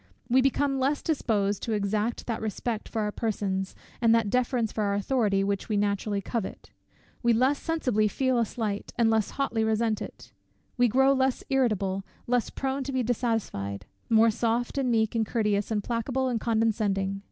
We become less disposed to exact that respect for our persons, and that deference for our authority, which we naturally covet; we less sensibly feel a slight, and less hotly resent it; we grow less irritable, less prone to be dissatisfied; more soft, and meek, and courteous, and placable, and condescending.